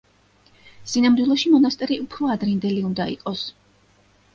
სინამდვილეში მონასტერი უფრო ადრინდელი უნდა იყოს.